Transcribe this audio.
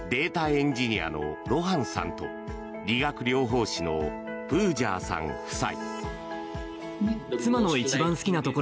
エンジニアのロハンさんと理学療法士のプージャーさん夫妻。